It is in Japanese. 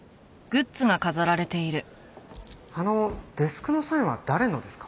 あのデスクのサインは誰のですか？